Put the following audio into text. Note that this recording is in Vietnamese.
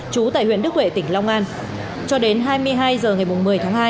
trú tại huyện đức huệ tỉnh long an cho đến hai mươi hai h ngày một mươi tháng hai